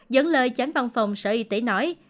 dẫn lời chánh văn phòng sở y tế nói